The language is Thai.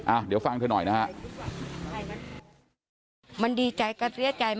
อ้าวเดี๋ยวฟังเธอน่อยนะฮะ